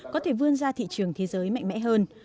có thể vươn ra thị trường thế giới mạnh mẽ hơn